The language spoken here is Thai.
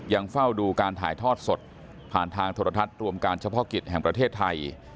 ยังเฝ้าดูการถ่ายทอดสดผ่านทางโทรทัศน์รวมการเฉพาะกิจแห่งประเทศไทย